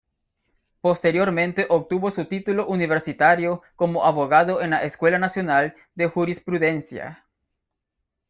Posteriormente obtuvo su título universitario como abogado en la Escuela Nacional de Jurisprudencia.